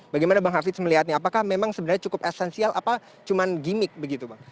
bagaimana bang hafiz melihatnya apakah memang sebenarnya cukup esensial apa cuma gimmick begitu bang